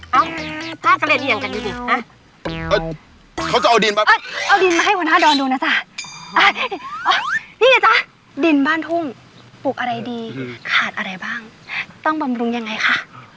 เอาผ้ากระเหลี่ยงกันดีเขาจะเอาดินมาเอาดินมาให้หัวหน้าดอนดูนะจ๊ะนี่ไงจ๊ะดินบ้านทุ่งปลูกอะไรดีขาดอะไรบ้างต้องบำรุงยังไงคะ